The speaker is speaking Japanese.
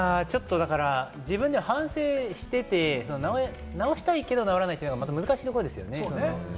自分で反省してて、治したいけれども治らないというのは難しいところですよね。